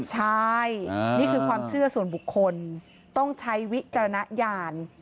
ใช่นี่คือความเชื่อส่วนบุคคลต้องใช้วิจารณญาณ